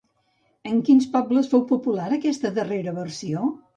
En quins pobles fou popular aquesta darrera versió?